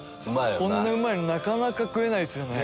こんなうまいのなかなか食えないっすよね。